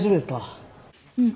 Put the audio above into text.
うん。